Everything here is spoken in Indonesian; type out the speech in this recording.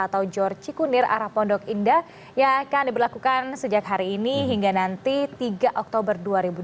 atau jor cikunir arah pondok indah yang akan diberlakukan sejak hari ini hingga nanti tiga oktober dua ribu dua puluh